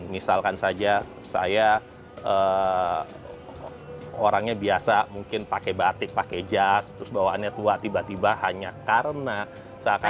misalkan saja saya orangnya biasa mungkin pakai batik pakai jas terus bawaannya tua tiba tiba hanya karena seakan akan